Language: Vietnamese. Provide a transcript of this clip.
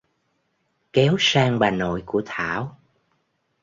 kéo sang bà nội của thảo